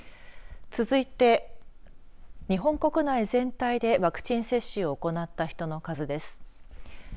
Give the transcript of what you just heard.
続いて日本国内全体でワクチン接種を行った人の数です。